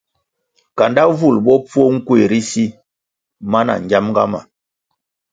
Kandá vul bopfuo nkuéh ri si mana ngiamga ma.